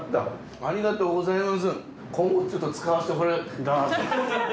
ありがとうございます！